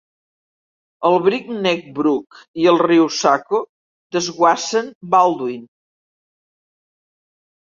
El Breakneck Brook i el riu Saco desguassen Baldwin.